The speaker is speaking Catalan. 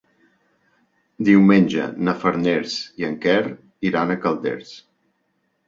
Diumenge na Farners i en Quer iran a Calders.